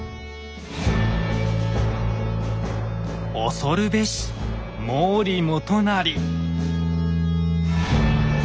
恐るべし毛利元就！